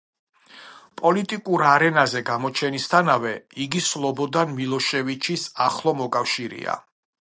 პოლიტიკურ არენაზე გამოჩენისთანავე იგი სლობოდან მილოშევიჩის ახლო მოკავშირეა.